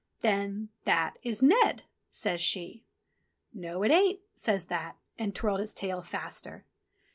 "Then That is Ned," says she. "No, it ain't," says That, and twirled its tail faster.